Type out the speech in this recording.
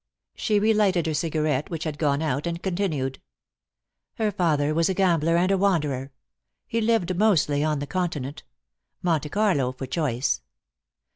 She re lighted her cigarette, which had gone out, and continued, "Her father was a gambler and a wanderer. He lived mostly on the Continent Monte Carlo for choice.